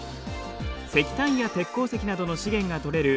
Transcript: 石炭や鉄鉱石などの資源が採れる